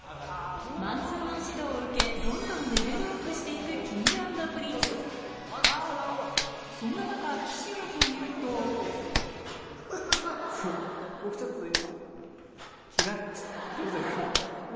マンツーマン指導を受けどんどんレベルアップして行くＫｉｎｇ＆Ｐｒｉｎｃｅそんな中岸はというと僕ちょっと今。